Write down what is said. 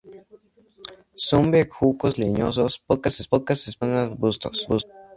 Son bejucos leñosos, pocas especies son arbustos.